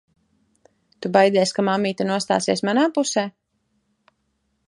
Tu baidies, ka mammīte nostāsies manā pusē?